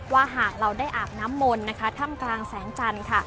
ว่าหากเราได้อาบน้ำมนต์นะคะถ้ำกลางแสงจันทร์ค่ะ